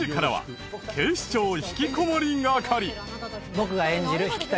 僕が演じる引谷